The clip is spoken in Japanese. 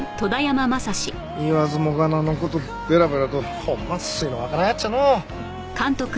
言わずもがなの事ベラベラと。ほんま粋のわからんやっちゃのう。